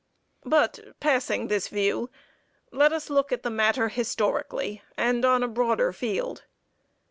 But passing this view, let us look at the matter historically and on a broader field.